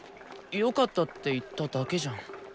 よかったって言っただけじゃん。